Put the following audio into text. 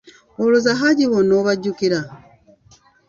Olowooza Haji bonna obajjukira?